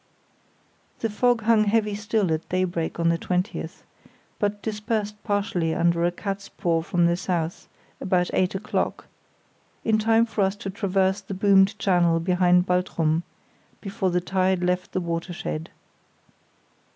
The fog hung heavy still at daybreak on the 20th, but dispersed partially under a catspaw from the south about eight o'clock, in time for us to traverse the boomed channel behind Baltrum, before the tide left the watershed.